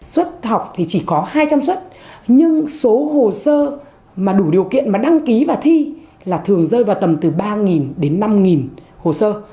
suốt học thì chỉ có hai trăm linh xuất nhưng số hồ sơ mà đủ điều kiện mà đăng ký vào thi là thường rơi vào tầm từ ba đến năm hồ sơ